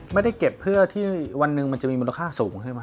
ไม่ได้เก็บเพื่อที่วันหนึ่งมันจะมีมูลค่าสูงใช่ไหม